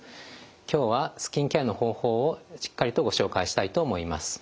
今日はスキンケアの方法をしっかりとご紹介したいと思います。